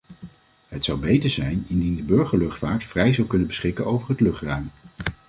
Het zou beter zijn indien de burgerluchtvaart vrij zou kunnen beschikken over het luchtruim.